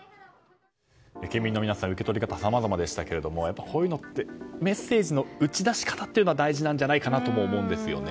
県民の皆さんの受け取り方さまざまでしたがこういうのってメッセージの打ち出し方が大事なんじゃないかなとも思うんですよね。